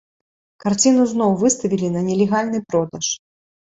Карціну зноў выставілі на нелегальны продаж.